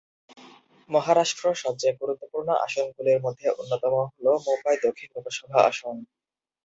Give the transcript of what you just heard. মহারাষ্ট্র সবচেয়ে গুরুত্বপূর্ণ আসনগুলির মধ্যে অন্যতম হল মুম্বাই দক্ষিণ লোকসভা আসন।